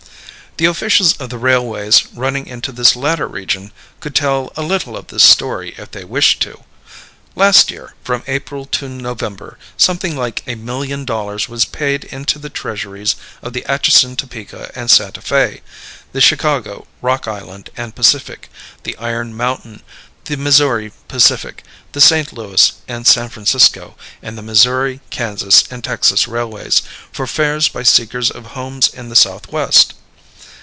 The officials of the railways running into this latter region could tell a little of this story if they wished to. Last year, from April to November, something like a million dollars was paid into the treasuries of the Atchison, Topeka and Sante Fé, the Chicago, Rock Island and Pacific, the Iron Mountain, the Missouri Pacific, the St. Louis and San Francisco, and the Missouri, Kansas and Texas railways, for fares by seekers of homes in the Southwest.